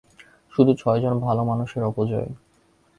শুধু ছয়জন ভালো মানুষের অপচয়।